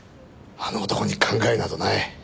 あの男に考えなどない。